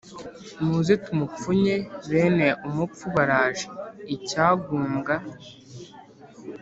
Muze tumupfunye bene umupfu baraje-Icyagumbwa.